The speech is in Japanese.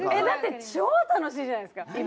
だって超楽しいじゃないですか。